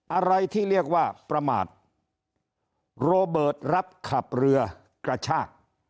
อะไรที่เรียกว่าประมาทโรเบิร์ตรับขับเรือกระชาก